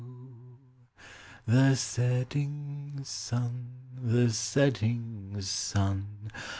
The setting sun, the setting sun!